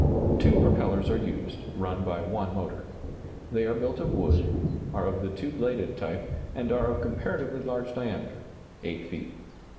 Two propellers are used, run by one motor. They are built of wood, are of the two bladed type, and are of comparatively large diameter 8 feet.